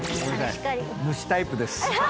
主タイプです。